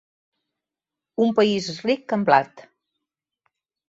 Un país ric en blat.